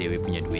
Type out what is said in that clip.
sampai jumpa lagi